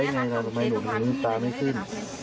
ทำไมหนูมีตาไม่ขึ้น